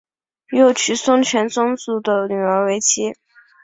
又娶孙权宗族的女儿为妻。